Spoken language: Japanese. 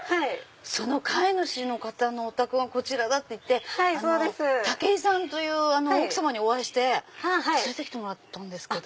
その飼い主の方のお宅がこちらだっていってタケイさんという奥さまにお会いして連れてきてもらったんですけど。